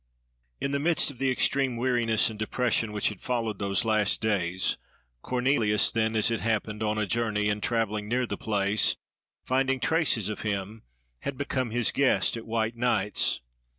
In the midst of the extreme weariness and depression which had followed those last days, Cornelius, then, as it happened, on a journey and travelling near the place, finding traces of him, had become his guest at White nights.